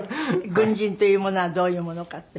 軍人というものはどういうものかって。